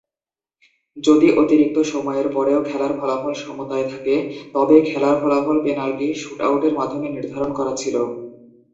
যদি অতিরিক্ত সময়ের পরেও খেলার ফলাফল সমতায় থাকে, তবে খেলার ফলাফল পেনাল্টি শুট-আউটের মাধ্যমে নির্ধারণ করা ছিল।